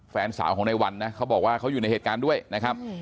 แฟนสาวของในวันนะเขาบอกว่าเขาอยู่ในเหตุการณ์ด้วยนะครับ